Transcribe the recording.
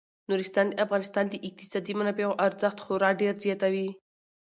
نورستان د افغانستان د اقتصادي منابعو ارزښت خورا ډیر زیاتوي.